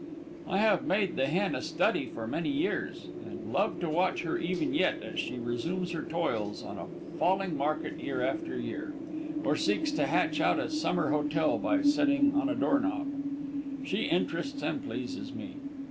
I have made the hen a study for many years, and love to watch her even yet as she resumes her toils on a falling market year after year, or seeks to hatch out a summer hotel by setting on a door knob. She interests and pleases me.